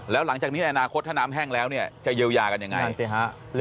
แล้วหลังจากนี้ในอนาคตถ้าน้ำแห้งแล้วเนี่ยจะเยียวยากันยังไง